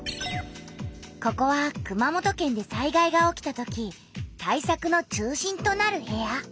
ここは熊本県で災害が起きたとき対策の中心となる部屋。